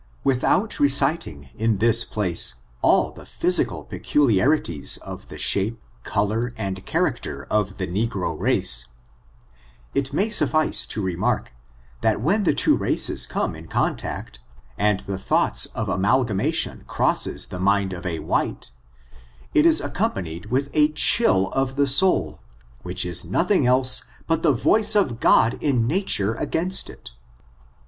Without reciting in this place all the physical pe« culiarities of the shape, color, and character of the negro race, it may suffice to remark, that when the two races come in contact, and the thoughts of amal« gamation crosses the mind of a white, it is accom I ' I I ^^^^^^^^^^^^^^^^^^ 234 ORIGIN, CHARACTER, AND panied with a chill of the soul, which is nothing else but the voice of God in nature against it.